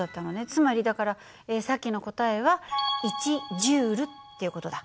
つまりだからさっきの答えは１Ｊっていう事だ。